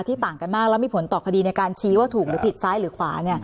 ต่างกันมากแล้วมีผลต่อคดีในการชี้ว่าถูกหรือผิดซ้ายหรือขวา